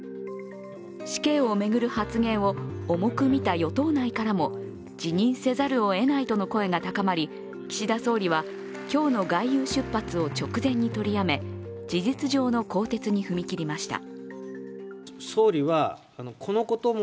死刑を巡る発言を重く見た与党内からも辞任せざるをえないとの声が高まり、岸田総理は今日の外遊出発を直前に取りやめ、事実上の更迭に踏み切りました。